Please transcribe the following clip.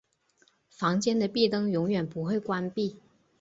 房间的壁灯永远不会关闭。